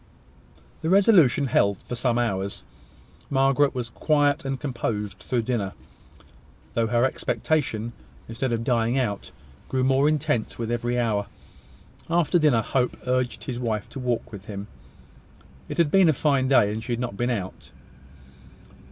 The resolution held for some hours. Margaret was quiet and composed through dinner, though her expectation, instead of dying out, grew more intense with every hour. After dinner, Hope urged his wife to walk with him. It had been a fine day, and she had not been out.